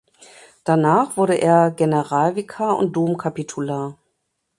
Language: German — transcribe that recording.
Danach wurde er Generalvikar und Domkapitular.